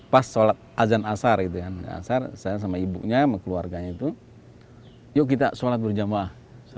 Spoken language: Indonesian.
pas solat azan asar saya sama ibunya sama keluarganya itu yuk kita solat berjamaah